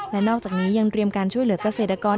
และนอกจากนี้ยังเตรียมการช่วยเหลือกเกษตรกร